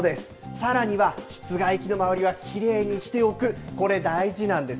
さらには室外機の周りはきれいにしておく、これ大事なんです。